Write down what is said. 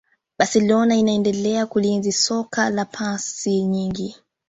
barcelona inaendelea kulienzi soka la pasi nyingi